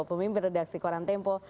pemimpin redaksi koran tempo